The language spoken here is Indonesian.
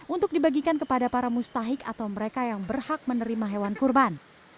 untuk dibagikan kepada para mustahik atau mereka yang berhak menerima hewan kurban